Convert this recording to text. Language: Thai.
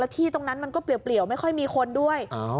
แล้วที่ตรงนั้นมันก็เปลี่ยวเปลี่ยวไม่ค่อยมีคนด้วยอ๋อ